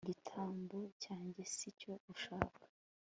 igitambo cyanjye si cyo ushaka